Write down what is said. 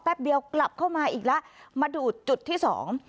เดียวกลับเข้ามาอีกแล้วมาดูดจุดที่สอง